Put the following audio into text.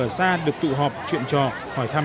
ở xa được tụ họp chuyện trò hỏi thăm